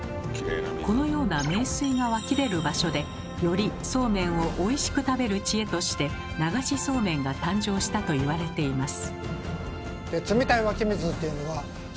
このような名水が湧き出る場所でよりそうめんをおいしく食べる知恵として流しそうめんが誕生したと言われています。